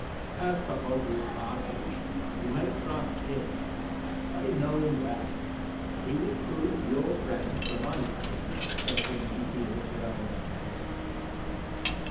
As for Oswald Partridge, you may trust him; I know him well; and he will prove your friend for my sake, as soon as he hears that I am dead.